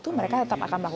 bukan don sawah